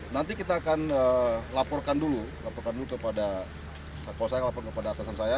nanti kita akan laporkan dulu laporkan dulu kepada atasan saya